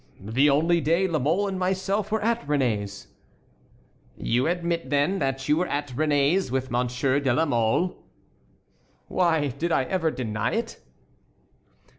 "The only day La Mole and myself were at Réné's." "You admit, then, that you were at Réné's with Monsieur de la Mole?" "Why, did I ever deny it?"